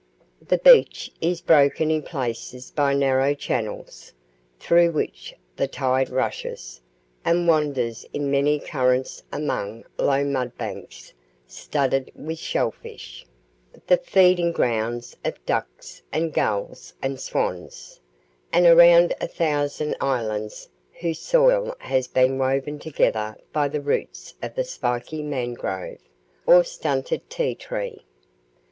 The beach is broken in places by narrow channels, through which the tide rushes, and wanders in many currents among low mudbanks studded with shellfish the feeding grounds of ducks, and gulls, and swans; and around a thousand islands whose soil has been woven together by the roots of the spiky mangrove, or stunted tea tree.